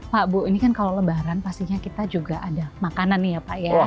pak bu ini kan kalau lebaran pastinya kita juga ada makanan nih ya pak ya